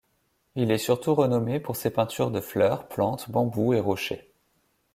Il est surtout renommé pour ses peintures de fleurs, plantes, bambous et rochers.